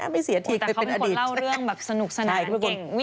ไม่เสียทีแต่เขาเป็นคนเล่าเรื่องแบบสนุกสนานเก่ง